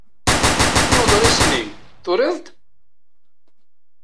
I uḍris-nni? Turiḍ-t?